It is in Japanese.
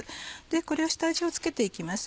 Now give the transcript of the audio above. これを下味を付けていきます。